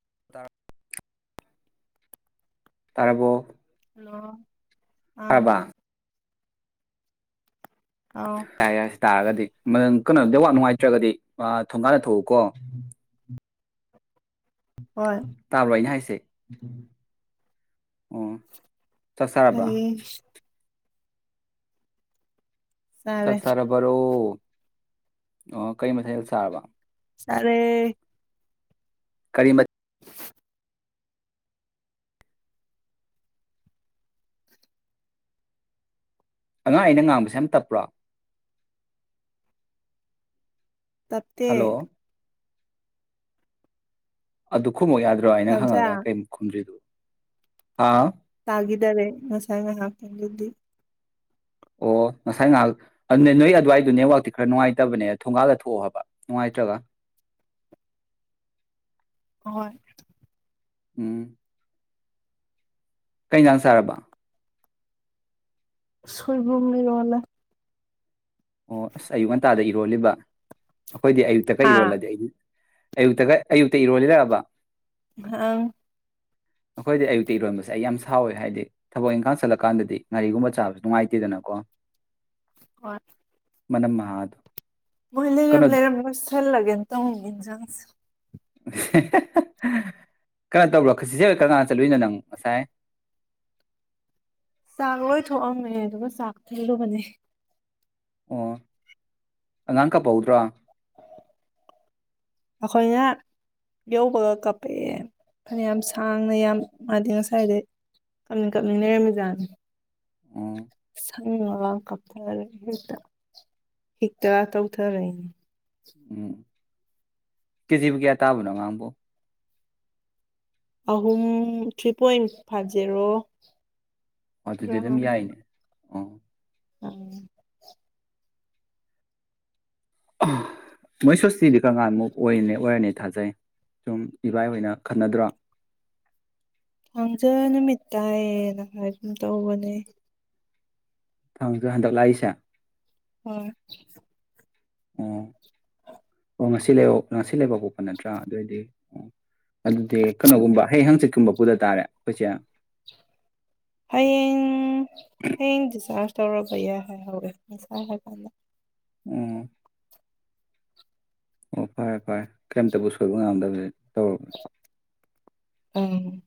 [unintelligible] ꯇꯥꯔꯕꯣ ꯍꯜꯂꯣ ꯑꯥ ꯇꯥꯔꯕ ꯑꯥꯎ ꯌꯥꯏ ꯌꯥꯏꯁ ꯇꯥꯔꯒꯗꯤ ꯃꯪ ꯀꯩꯅꯣꯗꯩꯋꯥꯠ ꯅꯨꯡꯉꯥꯏꯇ꯭ꯔꯒꯗꯤ ꯊꯣꯡꯒꯥꯥꯟꯅ ꯊꯎꯀꯣ ꯍꯣꯏ ꯇꯥꯔ꯭ꯔꯣꯅꯦ ꯍꯥꯏꯁꯦ ꯑꯣ ꯆꯁꯥꯔꯕ ꯇꯥꯏꯌꯦ ꯆꯥꯔꯦ ꯆꯠꯁꯔꯔꯕꯔꯣ ꯑꯣ ꯀꯔꯤ ꯃꯊꯥꯏꯗ ꯁꯥꯥꯔꯕ ꯁꯔꯦ ꯀꯔꯤꯃ ꯑꯉꯥꯡ ꯑꯩꯅ ꯉꯥꯡꯕꯁꯦ ꯌꯥꯝ ꯇꯞꯄ꯭ꯔꯥ ꯍꯜꯂꯣ ꯇꯞꯦ ꯑꯗꯨ ꯈꯨꯈꯨꯝꯃꯛꯨ ꯌꯥꯗ꯭ꯔꯣ ꯍꯥꯏꯅ ꯂꯝꯖꯥ ꯍꯪꯉ ꯀꯩꯨꯛ ꯈꯨꯝꯗ꯭ꯔꯤꯗꯨꯣ ꯑꯥ ꯇꯒꯔꯦ ꯃꯁꯒ ꯍꯥꯀꯅꯤꯡꯗꯗꯤ ꯑꯣ ꯉꯁꯥꯏ ꯉꯥꯏꯍꯥꯛ ꯑꯗꯨꯅꯦ ꯅꯣꯏ ꯑꯗꯨꯋꯥꯏꯗꯨꯣ ꯅꯦꯠꯋꯥꯛꯇꯤ ꯈꯔ ꯅꯨꯡꯉꯥꯏꯇꯕꯅꯦ ꯊꯣꯡꯒꯥꯜꯂ ꯊꯣꯛꯑꯣꯕ ꯅꯨꯡꯉꯥꯏꯇ꯭ꯔꯒ ꯍꯣꯏ ꯎꯝ ꯀꯩ ꯥꯟ ꯁꯥꯔꯕ ꯁꯣꯏꯕꯨꯝꯅꯤꯔꯉꯂꯦ ꯑꯣ ꯑꯁ ꯑꯌꯨꯛ ꯉꯟꯇꯥꯗ ꯏꯔꯣꯜꯂꯤꯕ ꯑꯩꯈꯣꯏꯗꯤ ꯑꯌꯨꯛꯇꯀ ꯍꯥ ꯏꯔꯣꯜꯂꯗꯤ ꯑꯩꯗꯤ ꯑꯌꯨꯛꯇꯒ ꯑꯌꯨꯛꯇ ꯏꯔꯣꯂꯔꯛꯑꯕ ꯑꯪ ꯑꯩꯈꯣꯏꯗꯤ ꯑꯌꯨꯛꯇꯤ ꯏꯔꯣꯟꯁ ꯁ ꯑꯩ ꯌꯥꯝ ꯁꯥꯎꯋꯦ ꯍꯥꯏꯗꯤ ꯊꯕꯛ ꯏꯪꯈꯥꯡ ꯆꯠꯂꯀꯥꯟꯗꯗꯤ ꯒꯥꯔꯤꯒꯨꯝꯕ ꯆꯥꯕꯁꯨ ꯅꯨꯡꯉꯥꯏꯇꯦꯗꯅꯀꯣ ꯍ ꯃꯅꯝ ꯃꯍꯥ ꯑꯗꯨ ꯃꯣꯏ ꯂꯩ ꯔꯝ ꯂꯩꯔ ꯃꯁꯦꯜꯂꯒꯦ ꯇꯧꯖ ꯀꯩꯅꯣ ꯇꯧꯕ꯭ꯔꯣꯁꯤꯁꯦ ꯀ ꯀꯥꯟ ꯆꯠꯂꯨꯏꯅꯣ ꯅꯪ ꯉꯁꯥꯏ ꯆꯥꯛ ꯂꯣꯏ ꯊꯑꯝꯃꯦ ꯑꯗꯨꯒ ꯆꯥꯛ ꯊꯤꯂꯨꯕꯅꯦ ꯑꯣ ꯑꯉꯥꯡ ꯀꯄꯍꯧꯗ꯭ꯔꯣ ꯑꯩꯈꯣꯏꯅ ꯌꯧꯕꯒ ꯀꯥꯄꯛꯑꯦ ꯑꯩꯅ ꯌꯥꯝ ꯁꯥꯡꯅ ꯌꯥꯝ ꯃꯥꯗꯤ ꯉꯁꯥꯏꯗꯩ ꯀꯞꯅꯤꯡ ꯀꯥꯞꯅꯤꯡ ꯂꯩꯔꯝꯃꯤꯖꯥꯠꯅꯤ ꯎꯝ ꯊꯪꯒ ꯀꯥꯊꯔꯦ ꯍꯦꯛꯇ ꯍꯤꯛꯇ ꯇꯧꯊꯔꯛꯏꯅꯦ ꯎꯝ ꯀꯖꯤꯕꯨ ꯀꯌꯥ ꯇꯥꯕꯅ ꯉ ꯑꯃꯕꯨꯣ ꯑꯍꯨꯝ ꯊ꯭ꯔꯤ ꯄꯣꯏꯟ ꯐꯥꯏꯚ ꯖꯦꯔꯣ ꯑꯗꯨꯗꯤ ꯑꯗꯨꯝ ꯒ꯭ꯔꯥꯝ ꯌꯥꯏꯅꯦ ꯑꯣ ꯎꯝ ꯃꯣꯏ ꯁꯣꯁꯇꯤꯗꯤ ꯀꯔ ꯀꯥꯟꯃꯨꯛ ꯑꯣꯏꯅꯦ ꯑꯣꯏꯔꯅꯤ ꯊꯥꯖꯩ ꯁꯨꯝ ꯏꯕꯥꯏ ꯑꯣꯏꯅ ꯈꯟꯅꯗ꯭ꯔꯣ ꯊꯥꯡꯖꯥ ꯅꯨꯃꯤꯠ ꯇꯥꯏꯌꯦꯅ ꯍꯥꯏꯗꯨꯝ ꯇꯧꯕꯅꯦ ꯊꯥꯡꯖꯥ ꯍꯟꯗꯣꯛꯂꯥꯛꯏꯁꯦ ꯍꯣꯌ ꯑꯣ ꯑꯣ ꯉꯁꯤ ꯂꯩꯕ ꯉꯁꯤ ꯂꯩꯕ ꯄꯣꯛꯄ ꯅꯠꯇ꯭ꯔꯥ ꯑꯗꯨꯑꯣꯏꯗꯤ ꯑꯗꯨꯗꯤ ꯀꯩꯅꯣꯒꯨꯝꯕ ꯍꯌꯦ ꯍꯪꯆꯤꯠꯀꯨꯝꯕ ꯄꯨꯗ ꯇꯥꯔꯦ ꯇꯣꯏ ꯆꯦꯝ ꯍꯌꯦꯡ ꯍꯌꯦꯡ ꯗꯤꯆꯥꯔ ꯇꯧꯔꯕ ꯌꯥꯏ ꯍꯥꯏ ꯍꯋꯦ ꯉꯥꯁꯥꯏ ꯍꯥꯏ ꯍꯥꯏꯍꯥꯂꯥ ꯎꯝ ꯑꯣ ꯐꯔꯦ ꯐꯔꯦ ꯀꯔꯤꯝꯇꯕꯨ ꯁꯣꯏꯕ ꯉꯝꯗꯕꯂꯩ ꯇꯧꯔꯕꯥꯟ ꯎꯝ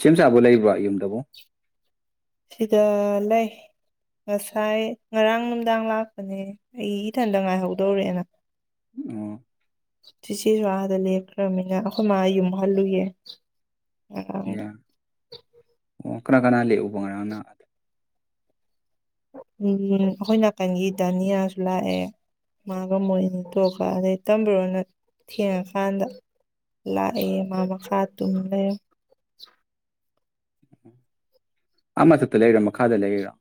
ꯁꯦꯝ ꯁꯥꯥꯕ ꯂꯩꯕ꯭ꯔꯥ ꯌꯨꯝꯗꯕꯨ ꯁꯤꯗ ꯂꯩ ꯉꯁꯥꯏ ꯉꯔꯥꯡ ꯅꯨꯡꯗꯥꯡ ꯂꯥꯛꯄꯅꯦ ꯑꯩ ꯏꯊꯟꯇ ꯉꯥꯏꯍꯧꯗꯧꯔꯦꯅ ꯑꯣ ꯆꯦꯁꯨ ꯑꯥꯗ ꯂꯦꯛꯈ꯭ꯔꯃꯤꯅ ꯑꯩꯈꯣꯏ ꯃꯥ ꯌꯨꯝ ꯍꯜꯂꯨꯌꯦ ꯉꯔꯥꯡ ꯑꯥ ꯑꯣ ꯀꯅꯥ ꯀꯅꯥ ꯂꯩ ꯎꯕ ꯉꯣꯅ ꯎꯝ ꯑꯩꯈꯣꯏ ꯅꯥꯀꯟꯒꯤ ꯗꯥꯅꯤꯌꯥꯁꯨ ꯂꯥꯛꯑꯦ ꯃꯥꯒ ꯃꯣꯏꯅꯤ ꯇꯣꯛꯑꯒ ꯑꯗꯩ ꯇꯝꯕꯨꯔꯣꯅ ꯊꯦꯡꯉꯀꯥꯟꯗ ꯂꯥꯛꯑꯦ ꯃꯥ ꯃꯈꯥ ꯇꯨꯝ ꯂꯩꯔ ꯑꯃ ꯃꯊꯛꯇ ꯂꯩꯔꯥ ꯃꯈꯥꯗ ꯂꯩꯔꯤꯔꯥ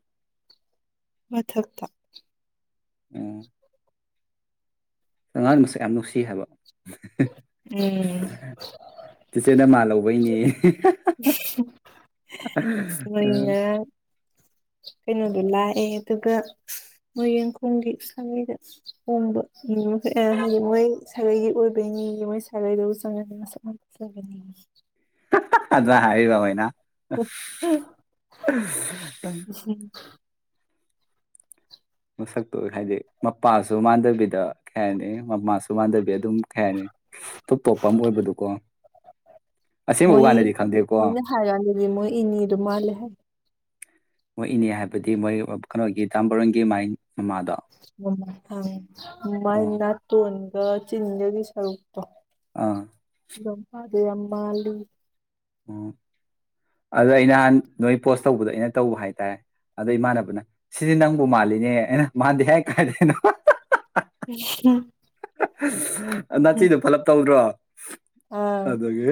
ꯃꯊꯛꯇ ꯎꯝ ꯑꯉꯥꯡ ꯃꯁꯛ ꯌꯥꯝ ꯅꯨꯡꯁꯤ ꯍꯥꯏꯕ ꯎꯝ ꯇꯤꯆꯦꯅ ꯃꯥ ꯂꯧꯕꯩꯅꯤ ꯑꯥꯍꯥ ꯑ ꯅꯣꯏꯅ ꯀꯩꯩꯅꯣꯗꯨ ꯂꯩꯥꯏ ꯑꯦ ꯑꯗꯨꯒ ꯃꯣꯏ ꯌꯦꯡꯈꯣꯒꯤ ꯁꯥꯒꯩꯗ ꯍꯣꯝꯕ ꯃꯈ ꯍꯥꯏꯗꯤ ꯃꯣꯏ ꯁꯥꯒꯩꯒꯤ ꯑꯣꯏꯕꯩꯅꯦꯌꯦ ꯃꯣꯏ ꯁꯥꯒꯩꯗꯕꯨ ꯆꯪꯒꯅꯤ ꯃꯁꯛ ꯉꯖꯒꯅꯤ ꯑꯖ ꯍꯥꯏꯔꯤꯕ ꯃꯅ [inaudible] ꯃꯁꯛꯇꯨ ꯍꯥꯏꯗꯤ ꯃꯄꯥꯁꯨ ꯃꯥꯟꯅꯕꯤꯗ ꯀꯩ ꯍꯥꯏꯅꯤ ꯃꯃꯥꯁꯨ ꯃꯥꯟꯅꯕꯤ ꯑꯗꯨꯝ ꯈꯩꯍꯥꯏꯅꯤ ꯇꯣꯞ ꯇꯣꯞꯄ ꯑꯃ ꯑꯣꯏꯕꯗꯨꯀꯣ ꯑꯁꯦꯡꯕ ꯃꯣꯏ ꯀꯥꯟꯗꯗꯤ ꯈꯪꯗꯦꯀꯣ ꯃꯣꯏꯅ ꯍꯥꯏꯀꯥꯟꯗꯗꯤ ꯃꯣꯏ ꯏꯅꯦꯗꯣ ꯃꯥꯜꯂꯦ ꯍꯥꯏ ꯃꯣꯏ ꯏꯅꯦ ꯍꯥꯏꯕꯗꯤ ꯃꯣꯏ ꯀꯩꯅꯣꯒꯤ ꯇꯥꯝꯕꯔꯣꯟꯒꯤ ꯃꯥꯏ ꯃꯃꯥꯗꯣ ꯃꯥꯏ ꯑꯣ ꯅꯠꯇꯣꯟ ꯗꯣꯒꯥ ꯆꯤꯟꯗꯨꯒꯤ ꯁꯔꯨꯛꯇꯣ ꯑꯥ ꯂꯣꯝꯄꯥꯠ ꯗꯨꯌꯝ ꯃꯥꯂꯦ ꯎ ꯑꯗꯣ ꯑꯩꯅꯍꯥꯟ ꯅꯣꯏ ꯄꯣꯁ ꯇꯧꯕꯗꯣ ꯑꯩꯅ ꯇꯧꯕ ꯍꯥꯏꯇꯥꯔꯦ ꯑꯗꯣ ꯏꯃꯥꯟꯅꯕꯅ ꯁꯤꯗꯤ ꯅꯪꯕꯨ ꯃꯥꯜꯂꯤꯅꯦ ꯑꯩꯅ ꯃꯥꯟꯗꯦ ꯍꯥꯏ ꯀꯥꯏꯗꯩꯅꯣ ꯅꯥꯆꯤꯗꯣ ꯐꯂꯞ ꯇꯧꯗ꯭ꯔꯣ ꯑꯥ ꯑꯗꯒꯤ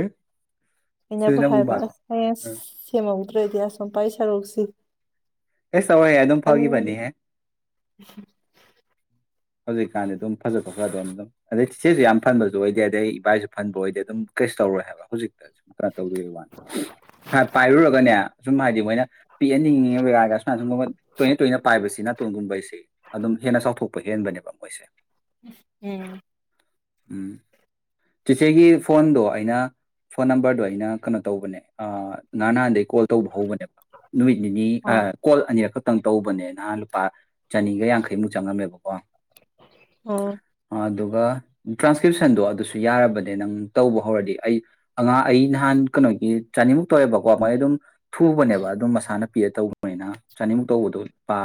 ꯑꯩꯅꯕꯨ ꯍꯥꯏꯕ [unintelligible] ꯁꯦꯝꯍꯧꯗ꯭ꯔꯗꯤ ꯑꯁꯣꯝ ꯄꯩ ꯁꯔꯨꯛꯁꯤ ꯑꯦꯁ ꯇꯧꯔꯣꯏꯍꯦ ꯑꯗꯨꯝ ꯐꯟꯒꯤꯅꯤ ꯐꯒꯤꯕꯅꯤꯍꯦ ꯍꯧꯖꯤꯛꯀꯥꯟꯗꯤ ꯑꯗꯨꯝ ꯐꯖꯊꯣꯛꯈ꯭ꯔꯗꯧꯅꯤ ꯑꯗꯨꯝ ꯑꯗꯩ ꯆꯤꯆꯦꯁꯨ ꯌꯥꯝꯐꯟ ꯑꯣꯏꯗꯦ ꯑꯗꯩ ꯏꯕꯥꯏꯁꯨ ꯐꯟꯕ ꯑꯣꯏꯗꯦ ꯑꯗꯨꯝ ꯀꯦꯁꯨ ꯇꯧꯔꯣꯏ ꯍꯥꯏꯕ ꯍꯧꯖꯤꯛꯇ ꯁꯨꯝ ꯀꯩꯅꯣ ꯇꯧꯗ ꯋꯥꯅꯤ ꯄꯥꯏꯔꯨꯔꯒꯅꯦ ꯁꯨꯝ ꯍꯥꯏꯗꯤ ꯃꯣꯏꯅ ꯄꯤꯛꯍꯅꯤꯡꯉꯤꯉ ꯇꯣꯏꯅ ꯇꯣꯏꯅ ꯄꯥꯏꯕꯁꯤꯅ ꯒꯨꯝꯕꯩꯁꯦ ꯑꯗꯨꯝ ꯍꯦꯟꯅ ꯆꯥꯎꯊꯣꯛꯄ ꯄꯍꯦꯟꯕꯅꯦꯕ ꯃꯣꯏꯁꯦ ꯎꯝ ꯎꯝ ꯆꯤꯆꯦꯒꯤ ꯐꯣꯟꯗꯣ ꯑꯩꯅ ꯐꯣꯟ ꯅꯝꯕꯔꯗꯣ ꯑꯩꯅ ꯀꯩꯅꯣ ꯇꯧꯕꯅꯦ ꯉꯔꯥꯡ ꯅꯍꯥꯟꯗꯩ ꯀꯣꯜ ꯇꯧꯕ ꯍꯧꯕꯅꯦꯕ ꯅꯨꯃꯤꯠ ꯅꯤꯅꯤ ꯑꯥ ꯀꯣꯜ ꯑꯅꯤꯔꯛ ꯇꯧꯕꯅꯦ ꯅꯍꯥꯟ ꯂꯨꯄꯥ ꯆꯅꯤꯒ ꯌꯥꯡꯈꯩꯃꯨꯛ ꯆꯪꯉꯝꯃꯦꯕꯀꯣ ꯋꯥ ꯑꯥ ꯑꯗꯨꯒ ꯇ꯭ꯔꯥꯟꯁꯀ꯭ꯔꯤꯞꯁꯟꯗꯣ ꯑꯗꯨꯁꯨ ꯌꯥꯔꯕꯅꯦ ꯅꯪ ꯇꯧꯕ ꯍꯧꯔꯗꯤ ꯑꯩ ꯑꯉꯥꯡ ꯑꯩ ꯅꯍꯥꯟ ꯀꯩꯅꯣꯒꯤ ꯆꯅꯤꯃꯨꯛ ꯇꯧꯋꯦꯕꯀꯣ ꯃꯣꯏ ꯑꯗꯨꯝ ꯊꯨꯕꯅꯦꯕ ꯑꯗꯨꯝ ꯃꯁꯥꯅ ꯄꯤꯔ ꯇꯧꯕꯅꯤꯅ ꯆꯅꯤꯃꯨꯛ ꯇꯧꯕꯗꯣ ꯂꯨꯄꯥ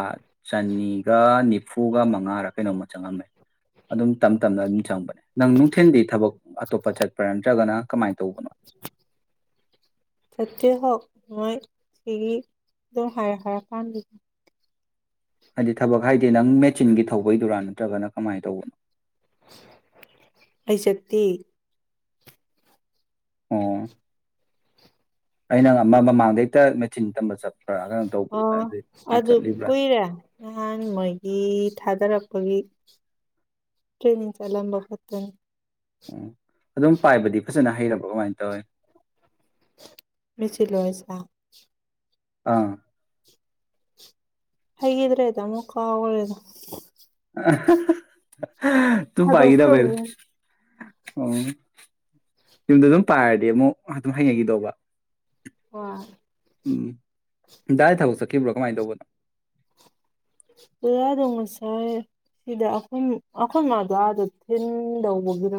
ꯆꯅꯤꯒꯅꯤ ꯐꯨꯒ ꯃ ꯉꯥꯔ ꯀꯩꯅꯣꯝꯃ ꯆꯪꯉꯝꯃꯦ ꯑꯗꯨꯝ ꯇꯝꯇꯝꯅ ꯑꯗꯨꯝ ꯆꯪꯕꯅꯦ ꯅꯪ ꯅꯨꯡꯊꯤꯟꯗꯤ ꯊꯕꯛ ꯑꯇꯣꯞꯄ ꯆꯠꯄ꯭ꯔꯥ ꯅꯠꯇ꯭ꯔꯒꯅ ꯀꯃꯥꯏꯅ ꯇꯧꯕꯅꯣ ꯆꯠꯇꯦ ꯍꯣ ꯃꯣꯏ [unintelligible] ꯍꯥꯏꯗꯤ ꯊꯕꯛ ꯍꯥꯏꯗꯤ ꯅꯪ ꯃꯦꯆꯤꯟꯒꯤ ꯊꯧꯕꯩꯗꯨꯔꯥ ꯅꯠꯇ꯭ꯔꯒꯅ ꯀꯃꯥꯏꯅ ꯇꯧꯕꯅꯣ [unintelligible] ꯑꯣ ꯑꯩꯅꯪ ꯑꯃ ꯃꯃꯥꯡꯗꯩꯛꯇ ꯃꯦꯆꯤꯟ ꯇꯝꯕ ꯆꯠ ꯑꯣ ꯑꯗꯨ ꯀꯨꯏꯔꯦ ꯅꯍꯥꯟ ꯃꯣꯏꯒꯤ ꯊꯥꯗꯔꯛ ꯑꯩꯒꯤ ꯇ꯭ꯔꯦꯅꯤꯡ ꯆꯠꯂꯝꯕ ꯈꯠꯇꯅꯤ ꯎꯝ ꯑꯗꯨꯝ ꯄꯥꯏꯕꯗꯤ ꯐꯖꯅ ꯍꯩꯔꯕ꯭ꯔꯣ ꯀꯃꯥꯏꯅ ꯇꯧꯋꯤ ꯃꯦꯆꯤꯜꯂꯣ ꯍꯥꯏꯁꯦ ꯑꯥ ꯍꯩꯒꯤꯗ꯭ꯔꯦꯗ ꯑꯃꯨꯛ ꯀꯥꯎꯒ꯭ꯔꯦꯗ [unintelligible] ꯇꯨꯡ ꯄꯏꯒꯤꯗꯕꯩ ꯊꯥꯗꯣꯛꯈ꯭ꯔꯕꯅꯤ ꯑꯣ ꯌꯨꯝꯗ ꯑꯗꯨꯝ ꯄꯥꯔꯗꯤ ꯑꯃꯨꯛ ꯑꯗꯨꯝ ꯍꯩꯅꯒꯤꯗꯧꯕ ꯍꯣꯏ ꯎꯝ ꯗꯥꯗꯤ ꯊꯕꯛ ꯆꯠꯈꯤꯕ꯭ꯔꯣ ꯀꯃꯥꯏ ꯇꯧꯕꯅꯣ ꯗꯗꯥꯗꯣ ꯉꯁꯥꯏ ꯁꯤꯗ ꯑꯈꯣꯏ ꯑꯈꯣꯏ ꯃꯥꯗꯣ ꯑꯥꯗ ꯊꯤꯟꯗꯧꯕꯒꯤꯗ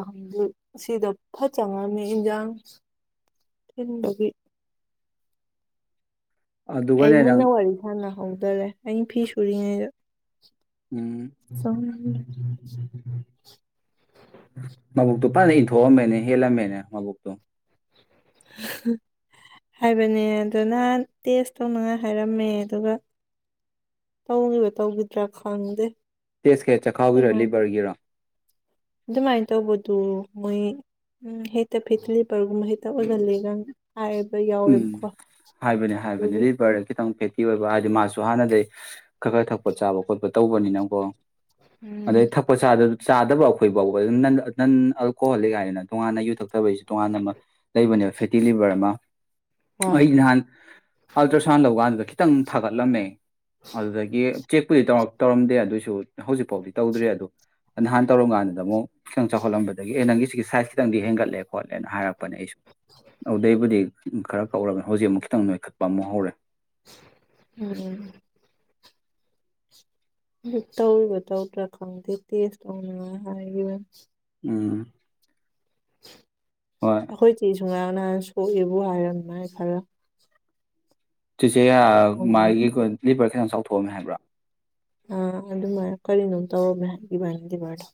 ꯁꯤꯗ ꯐꯠ ꯆꯉꯝꯃꯤ ꯏꯟꯖꯥꯡ ꯊꯤꯟꯕꯒꯤ ꯑꯩ ꯑꯗꯨꯒꯅꯦ ꯅꯪ ꯃꯨꯟꯅ ꯋꯥꯔꯤ ꯁꯥꯟꯅꯍꯧꯗꯔꯦ ꯑꯩ ꯐꯤꯁꯨꯔꯤꯉꯩꯗ ꯎꯝ ꯃꯕꯨꯛꯇꯨ ꯐꯅ ꯏꯟꯊꯣꯛꯑꯝꯃꯦꯅꯦ ꯍꯦꯜꯂꯝꯃꯦꯅꯦ ꯃꯕꯨꯛꯇꯣ ꯍ ꯍ ꯍꯥꯏꯕꯅꯦ ꯑꯗꯨ ꯅꯍꯥꯟ ꯇꯦꯁ ꯇꯧꯅꯉꯥꯏ ꯍꯥꯏꯔꯝꯃꯦ ꯑꯗꯨꯒ ꯇꯧꯈꯤꯕ ꯇꯧꯈꯤꯗ꯭ꯔꯥ ꯈꯪꯗꯦ ꯇꯦꯁ ꯁꯦ ꯆꯈꯥꯎꯒꯤꯔꯥ ꯑꯗꯨꯃꯥꯏ ꯂꯤꯚꯔꯒꯤꯔ ꯑꯗꯨꯃꯥꯏꯅ ꯇꯧꯕꯗꯨ ꯃꯣꯏ ꯍꯦꯛꯇ ꯐꯤꯠꯂꯤꯞꯄꯒꯨꯝꯕ ꯍꯦꯛꯇ ꯑꯣꯏꯒꯜꯂꯦ ꯎꯝ ꯍꯥꯏꯕꯅꯦ ꯍꯥꯏꯕꯅꯦ ꯑꯗꯨꯒꯤ ꯂꯤꯚꯔ ꯈꯤꯇꯪ ꯐꯤ ꯀꯤ ꯑꯣꯏꯕ ꯍꯥꯏꯗꯤ ꯃꯥꯁꯨ ꯍꯥꯟꯅꯗꯩ ꯈꯒ ꯊꯛꯄ ꯆꯥꯕ ꯈꯣꯠꯄ ꯇꯧꯕꯅꯤꯅꯀꯣ ꯎꯝ ꯑꯗꯩ ꯊꯛꯄ ꯆꯥꯗ ꯆꯥꯗꯕ ꯑꯩꯈꯣꯏ ꯐꯥꯎꯕ ꯑꯗꯨ ꯅꯟ ꯅꯟ ꯑꯜꯀꯣꯍꯣꯜꯂꯤꯛ ꯍꯥꯏꯗꯅ ꯇꯣꯉꯥꯟꯅ ꯌꯨ ꯊꯛꯇꯕꯩꯁꯨ ꯇꯣꯉꯥꯟꯅ ꯑꯃ ꯂꯩꯕꯅꯦꯕ ꯐꯦꯠꯇꯤ ꯂꯤꯕꯔ ꯑꯃ ꯍꯣꯏ ꯑꯩ ꯅꯍꯥꯟ ꯑꯜꯇ꯭ꯔꯁꯥꯎꯟ ꯂꯧꯀꯥꯟꯗꯨꯗ ꯈꯤꯇꯪ ꯊꯥꯒꯠꯂꯝꯃꯦ ꯑꯗꯨꯗꯒꯤ ꯆꯦꯛ ꯄꯨꯗꯤ ꯇꯧꯔꯛ ꯇꯧꯔꯝꯗꯦ ꯑꯗꯨꯏꯁꯨ ꯍꯧꯖꯤꯛꯐꯥꯎꯗꯤ ꯇꯧꯗ꯭ꯔꯦ ꯑꯗꯨ ꯅꯍꯥꯟ ꯇꯧꯔꯝꯀꯥꯟꯗꯨꯗ ꯑꯃꯨꯛ ꯈꯤꯇꯪ ꯆꯥꯎꯈꯠꯂꯝꯕꯗꯒꯤ ꯑꯦ ꯅꯪꯒꯤ ꯁꯤꯒꯤ ꯁꯥꯏꯖ ꯈꯤꯇꯪꯗꯤ ꯍꯦꯟꯒꯠꯂꯦ ꯈꯣꯠꯂꯦꯅ ꯍꯥꯏꯔꯛꯄꯅꯦ ꯑꯩꯁꯨ ꯑꯗꯨꯗꯩꯕꯨꯗꯤ ꯎꯝ ꯈꯔ ꯀꯧꯔꯒ ꯍꯧꯖꯤꯛ ꯑꯃꯨꯛ ꯈꯤꯇꯪ ꯅꯣꯏꯈꯠꯄ ꯑꯃꯨꯛ ꯍꯧꯔꯦ ꯎꯝ ꯇꯧꯔꯤꯕ ꯇꯧꯗ꯭ꯔꯥ ꯈꯪꯗꯦ ꯇꯦꯁ ꯇꯧꯅꯉꯥꯏ ꯍꯥꯏꯔ ꯎꯝ ꯍꯣꯏ [unintelligible] ꯑꯩꯈꯣꯏ ꯆꯦꯖꯨ ꯉꯔꯥꯡ ꯅ ꯁꯣꯛꯏꯕ ꯍꯥꯏꯔꯝꯅꯥꯏ ꯈꯔ ꯆꯤꯆꯦ ꯌꯥ ꯁꯣꯛꯑꯝꯃꯦ ꯃꯥꯏꯒꯤ ꯈꯨꯟ ꯂꯤꯕꯔꯁꯦ ꯍꯥꯟꯅ ꯆꯥꯎꯊꯣꯛꯑꯝꯃꯦ ꯍꯥꯏꯕꯔ ꯑꯥ ꯑꯗꯨꯃꯥꯏꯅ ꯀꯔꯤꯅꯣꯝ ꯇꯧꯔꯒꯦ ꯍꯥꯏ ꯏꯕꯥꯅꯤ [unintelligible] ꯂꯤꯕꯔꯗꯣ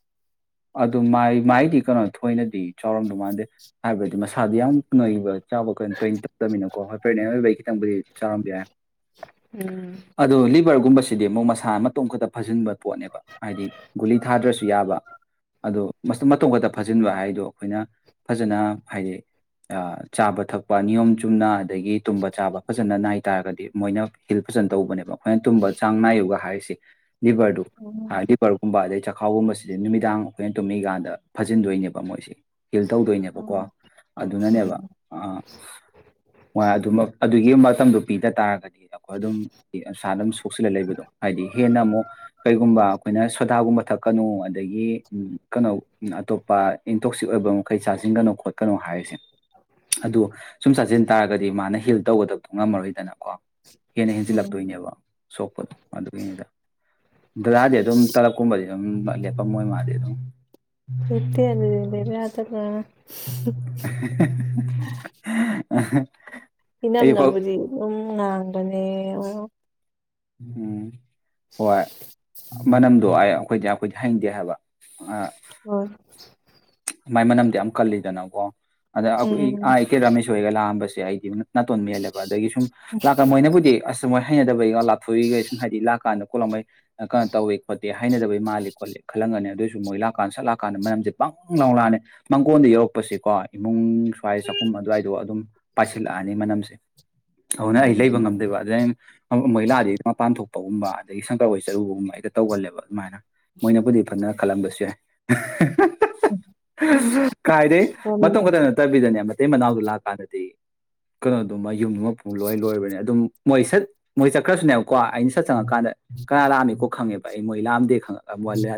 ꯑꯗꯨ ꯃꯥꯏ ꯃꯥꯏꯗꯤ ꯀꯩꯅꯣ ꯊꯣꯏꯅꯗꯤ ꯆꯥꯎꯔꯝꯗꯨ ꯃꯥꯥꯟꯗꯦ ꯍꯥꯏꯕꯗꯤ ꯃꯁꯥꯗꯨ ꯌꯥꯝ ꯅꯣꯏꯕ ꯆꯥꯕ ꯀꯟ ꯇꯣꯏ [unintelligible] ꯇꯧꯗꯃꯤꯅꯀꯣ ꯑꯈꯣꯏꯅ ꯂꯩ [unintelligible] ꯈꯤꯇꯪꯕꯨꯗꯤ ꯆꯥꯕꯤꯌꯦ ꯎꯝ ꯑꯗꯣ ꯂꯤꯕꯔꯒꯨꯝꯕꯁꯤ ꯁꯤꯗꯤ ꯑꯃꯨꯛ ꯃꯁꯥ ꯃꯇꯣꯝ ꯈꯛꯇ ꯐꯥꯖꯤꯟꯕ ꯄꯣꯠꯅꯦꯕ ꯍꯥꯏꯗꯤ ꯒꯨꯂꯤ ꯊꯥꯗ꯭ꯔꯁꯨ ꯌꯥꯕ ꯑꯗꯣ ꯃꯁ ꯃꯇꯣꯝ ꯈꯛꯇ ꯐꯥꯖꯤꯟꯕ ꯍꯥꯏꯗꯣ ꯑꯩꯈꯣꯏꯅ ꯐꯖꯅ ꯍꯥꯏꯗꯤ ꯑ ꯆꯥꯕ ꯊꯛꯄ ꯅꯤꯌꯣꯝ ꯆꯨꯝꯅ ꯑꯗꯒꯤ ꯇꯨꯝꯕ ꯆꯥꯕ ꯐꯖꯅ ꯅꯥꯏ ꯍꯥꯏꯇꯥꯥꯔꯒꯗꯤ ꯃꯣꯏꯅ ꯍꯤꯜ ꯐꯖꯟ ꯇꯧꯕꯅꯦꯕ ꯑꯩꯈꯣꯏꯅ ꯇꯨꯝꯕ ꯆꯥꯡ ꯅꯥꯏꯌꯨꯒ ꯍꯥꯏꯔꯤꯁꯦ ꯖꯤꯕꯥ ꯍꯗꯤꯖꯤ ꯄꯨꯝꯕꯕꯥꯗꯦ ꯆ ꯈꯥꯎꯒꯨꯝꯕꯁꯤꯗꯤ ꯅꯨꯃꯤꯗꯥꯡ ꯑꯩꯈꯣꯏꯅ ꯇꯨꯝꯃꯤꯀꯥꯟꯗ ꯐꯖꯤꯟꯗꯣꯏꯅꯦꯕ ꯃꯣꯏꯁꯦ ꯐꯤꯜ ꯇꯧꯗꯣꯏꯅꯦꯕꯀꯣ ꯑꯗꯨꯅꯅꯦꯕ ꯑꯗꯨꯃꯛ ꯑꯗꯨꯒꯤ ꯃꯇꯝ ꯅꯨꯄꯤꯗ ꯇꯥꯔꯒꯗꯤ ꯑꯩꯈꯣꯏ ꯑꯗꯨꯝ ꯑꯁꯥ ꯑꯗꯨꯝ ꯁꯣꯛꯆꯜꯂ ꯂꯩꯕꯗꯣ ꯍꯥꯏꯗꯤ ꯍꯦꯟꯅ ꯑꯃꯨꯛ ꯀꯩꯒꯨꯝꯕ ꯑꯩꯈꯣꯏꯅ ꯁꯗꯥꯒꯨꯝꯕ ꯊꯛꯀꯅꯨ ꯑꯗꯒꯤ ꯀꯩꯅꯣ ꯑꯇꯣꯞꯄ ꯏꯟꯇꯣꯛꯁꯤꯛ ꯑꯣꯏꯕ ꯃꯈꯩ ꯆꯥꯁꯤꯟꯒꯅꯣ ꯈꯣꯠꯀꯅꯣ ꯍꯥꯏꯔꯤꯁꯦ ꯑꯗꯨꯗꯣ ꯁꯨꯝ ꯆꯥꯁꯤꯟ ꯇꯥꯔꯒꯗꯤ ꯃꯥꯅ ꯍꯤꯜ ꯇꯧꯒꯗꯕꯗꯨꯣ ꯉꯝꯃꯔꯣꯏꯗꯅꯀꯣ ꯍꯅꯦ ꯍꯦꯟꯁꯤ ꯂꯥꯛꯇ ꯏꯅꯦꯕ ꯁꯣꯄꯠ ꯑꯗꯨꯗꯗꯤ ꯑꯗꯨꯝ ꯇꯂꯞꯀꯨꯝꯕꯗꯤ ꯌ ꯂꯦꯞꯄꯝꯃꯣꯏ ꯃꯥꯗꯦ ꯑꯗꯨꯝ ꯀꯠꯇꯤ ꯑꯗꯨꯦꯕ ꯌꯥꯗ ꯑ ꯏꯅꯝ ꯅꯕꯨꯗꯤ ꯎꯗꯅꯦ ꯑꯣ ꯎꯝ ꯍꯣꯏ ꯃꯅꯝꯗꯣ ꯑꯩ ꯑꯩꯈꯣꯏꯗꯤ ꯑꯩꯈꯣꯏꯗꯤ ꯍꯩꯗꯦ ꯍꯥꯏꯕ ꯑ ꯍ ꯃꯥꯏ ꯃꯅꯝꯗꯤ ꯌꯥꯝ ꯀꯜꯂꯤꯗꯅꯀꯣ ꯑꯗ ꯑꯩꯈꯣꯏ ꯎꯝ ꯑꯥ ꯏꯆꯦ ꯔꯥꯃꯦꯁ ꯑꯣꯏꯔꯒ ꯂꯥꯛꯑꯝꯕꯁꯦ ꯥꯏꯅ ꯅꯥꯇꯣꯟ ꯃ ꯌꯥꯜꯂꯦꯕ ꯑꯗꯒꯤ ꯁꯨꯝ ꯂꯥꯛꯀꯒ ꯃꯣꯏꯅꯕꯨꯗꯤ ꯑꯁ ꯃꯣꯏ ꯍꯩꯅꯗꯕꯩꯒ ꯂꯥꯊꯣꯛꯏꯒꯩ ꯁꯨꯝ ꯍꯥꯏꯗꯤ ꯂꯥꯛꯀ ꯀꯥꯟꯗ ꯀꯣꯠꯂꯝꯃꯩ ꯀ ꯇꯧꯋ ꯄꯠꯇꯌꯥ ꯍꯥꯏꯅꯗꯕꯩ ꯃꯥꯜꯂꯤ ꯈꯣꯠꯂꯤ ꯈꯜꯂꯝꯒꯅꯤ ꯑꯗꯨꯏꯁꯨ ꯃꯣꯏꯥꯛꯀꯥꯟꯗꯠꯂꯑꯀꯥꯟꯗ ꯃꯔꯝꯁ ꯄꯪ ꯂꯥꯎ ꯂꯥꯅꯦ ꯃꯪꯒꯣꯟꯗ ꯌꯧꯔꯛꯄꯁꯤꯀꯣ ꯏꯃꯨꯡ ꯁ꯭ꯋꯥꯏ ꯆꯥꯛꯈꯨꯝ ꯑꯗꯨ꯭ꯋꯥꯏꯗꯣ ꯑꯗꯨꯝ ꯄꯥꯏꯁꯤꯜꯂꯛꯑꯅꯤ ꯃꯅꯝꯁꯦ ꯍ ꯅ ꯑꯩ ꯂꯩꯕ ꯉꯝꯗꯣꯏꯕ ꯑꯗꯨꯗ ꯑꯩꯅ ꯃꯣꯏꯂꯥꯗꯒꯤ ꯃꯄꯥꯟ ꯊꯣꯛꯄꯒꯨꯝꯕ ꯑꯗꯒꯤ ꯁꯪꯀꯔ ꯑꯣꯏ ꯆꯔꯨꯕꯒꯨꯝꯕ ꯑꯩꯒ ꯇꯧꯒꯜꯂꯦꯕ ꯑꯗꯨꯃꯥꯏꯅ ꯃꯣꯏꯅ ꯄꯨꯗꯤ ꯐꯅ ꯈꯜꯂꯝꯕꯁꯨ ꯌꯥꯏ ꯀꯥꯏꯗꯩ ꯎꯝ ꯃꯇꯝ ꯈꯛꯇ ꯅꯠꯇꯕꯤꯗꯅꯦ ꯑꯃ ꯃꯇꯩ ꯃꯅꯥꯎꯗꯨ ꯂꯥꯛꯀꯥꯟꯗꯗꯤ ꯀꯩꯅꯣꯗꯨꯃ ꯌꯨꯝ ꯑꯃ ꯄꯨꯡ ꯂꯣꯏ ꯂꯣꯏꯕꯅꯤ ꯑꯗꯨꯝ ꯃꯣꯏ ꯁꯠ ꯃꯣꯏ ꯆꯠꯈ꯭ꯔꯁꯨꯅꯦꯀꯣ ꯑꯩꯅ ꯁꯠ ꯆꯪꯉꯛꯀꯥꯟꯗ ꯀꯅꯥ ꯂꯥꯑꯝꯃꯤꯀꯣ ꯈꯪꯉꯦꯕ ꯑꯩ ꯃꯣꯏ ꯂꯥꯑꯝꯗꯦ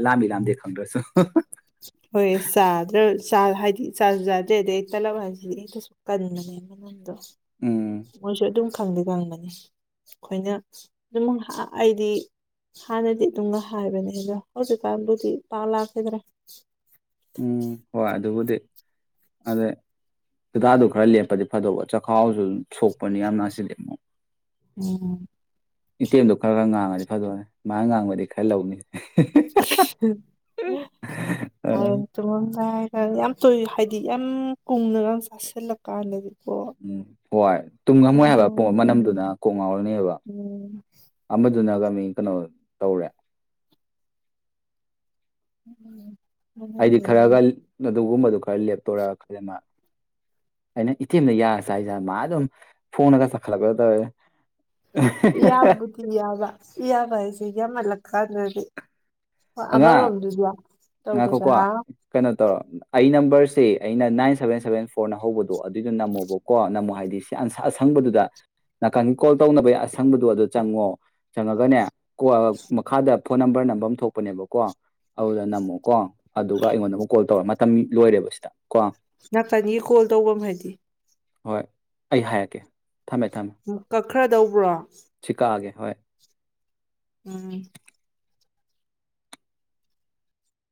ꯂꯥꯝꯃꯤ ꯂꯥꯝꯗꯦ ꯈꯪꯗ꯭ꯔꯁꯨ ꯍꯣꯏ ꯆꯥꯗ꯭ꯔꯦ ꯍꯥꯏꯗꯤ ꯆ ꯆꯥꯗ꯭ꯔꯦ ꯑꯗꯩ ꯑꯩ ꯇꯂꯞ ꯍꯥꯏꯁꯤꯗꯤ ꯀꯟꯕꯅꯦ ꯃꯅꯝꯗꯣ ꯎꯝ ꯃꯣꯏꯁꯨ ꯑꯗꯨꯝ ꯈꯪꯗꯤ ꯈꯪꯕꯅꯤ ꯑꯈꯣꯏꯅ ꯑꯗꯨꯝ ꯑꯩꯗꯤ ꯍꯥꯟꯅꯗꯤ ꯑꯗꯨꯝꯒ ꯍꯥꯏꯕꯅꯦ ꯑꯗꯣ ꯍꯧꯖꯤꯛꯀꯥꯟꯕꯨꯗꯤ ꯄꯥꯛ ꯂꯥꯛꯈꯤꯗ꯭ꯔꯥ [unintelligible] ꯎꯝ ꯍꯣꯏ ꯑꯗꯨꯕꯨꯗꯤ ꯑꯗꯩ ꯍꯤꯗꯥꯗꯨ ꯈꯔ ꯂꯦꯞꯄꯗꯤ ꯐꯗꯧꯕ ꯆꯈꯥꯎꯁꯨ ꯁꯣꯛꯄꯅꯤ ꯌꯥꯝ ꯅꯥꯁꯤꯜꯂꯤ ꯑꯃꯨꯛ ꯎꯝ ꯏꯇꯦꯝꯗꯣ ꯈꯔ ꯈꯔ ꯉꯥꯡꯉꯗꯤ ꯐꯗꯧꯅꯦ ꯃꯥꯅ ꯉꯥꯡꯕꯗꯤ ꯈꯔ ꯂꯧꯅꯤ [unintelligible] ꯌꯥꯝ ꯑ [unintelligible] ꯍꯥꯏꯗꯤ ꯌꯥꯝ ꯀꯨꯡꯅꯒ ꯆꯥꯁꯤꯜꯂꯀꯥꯟꯗꯤ ꯎꯝ ꯍꯣꯏ ꯇꯨꯝ ꯉꯝꯃꯣꯏ ꯍꯥꯏꯕ ꯄꯨꯡ ꯑꯃ ꯎꯝ ꯅꯝꯗꯨꯅ ꯀꯣꯛ ꯉꯥꯎꯔꯅꯤꯕ ꯎꯝ ꯑꯃ ꯑꯗꯨꯅꯒ ꯃꯤ ꯀꯩꯅꯣ ꯇꯧꯔꯦ ꯎꯝ ꯍꯥꯏꯗꯤ ꯈꯔꯒ ꯑꯗꯨꯒꯨꯝꯕꯗꯨ ꯈꯔ ꯂꯦꯞꯇꯣꯔ ꯈꯖꯅ ꯑꯩꯅ ꯏꯇꯤ ꯑꯦꯝꯗ ꯌꯥꯔ ꯆ ꯍꯥꯏꯖꯦ ꯃꯥ ꯑꯗꯨꯝ ꯐꯣꯡꯉꯒ ꯆꯈꯠꯂꯛꯄꯗ ꯇꯧꯋꯦ ꯌꯥꯕꯕꯨꯗꯤ ꯌꯥꯕ ꯌꯥꯕ ꯌꯥꯃꯜꯂꯀꯥꯗꯗꯤ ꯍꯣꯏ ꯑꯉꯥꯡ ꯑꯃꯔꯣꯝꯗꯨꯁꯨ ꯇꯧ ꯇꯁꯦ ꯉꯥꯏꯈꯣꯀꯣ ꯍꯥ ꯀꯩꯅꯣ ꯑꯩ ꯅꯝꯕꯔꯁꯤ ꯑꯩꯅ ꯅꯥꯏꯟ ꯁꯚꯦꯟ ꯁꯚꯦꯟ ꯐꯣꯔꯅ ꯍꯧꯕ ꯑꯗꯨꯏꯗꯣ ꯅꯝꯃꯣꯕꯀꯣ ꯅꯝꯃꯣ ꯍꯥꯏ ꯑꯁꯪꯕꯗꯨꯗ ꯅꯥꯀꯟꯒꯤ ꯀꯣꯜ ꯇꯧꯅꯕꯩ ꯑꯁꯪꯕꯗꯨ ꯑꯗꯨꯗ ꯆꯪꯉꯣ ꯆꯪꯉꯒꯅꯦ ꯃꯈꯥꯗ ꯐꯣꯟ ꯅꯝꯕꯔ ꯅꯝꯕꯔ ꯅꯝꯕꯝ ꯊꯣꯛ ꯄꯅꯦꯕꯀꯣ ꯑꯗꯨꯗ ꯅꯝꯃꯣꯀꯣ ꯑꯗꯨꯒ ꯑꯩꯉꯣꯟꯗ ꯑꯃꯨꯛ ꯀꯣꯜ ꯇꯧ ꯇꯝ ꯂꯣꯏꯔꯦꯕ ꯁꯤꯗ ꯀꯣ ꯅꯥꯀꯟꯅꯤ ꯀꯣꯜ ꯇꯧꯕꯝ ꯍꯥꯏꯗꯤ ꯍꯣꯏ ꯑꯩ ꯍꯥꯏꯔꯛꯀꯦ ꯊꯝꯃꯦ ꯊꯝꯃꯦ ꯀꯛꯈ꯭ꯔꯗꯧꯕ꯭ꯔꯣ ꯁꯤ ꯀꯛꯑꯒꯦ ꯍꯣꯏ ꯎꯝ